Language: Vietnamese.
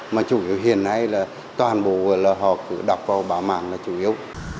mà chủ yếu hiện nay là toàn bộ là họ cứ đọc vào báo mạng là chủ yếu